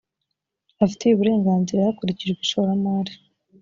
afitiye uburenganzira hakurikijwe ishoramari